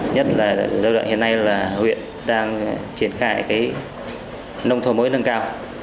nhất là ở lâu đoạn hiện nay là huyện đang triển khai nông thổ mới nâng cao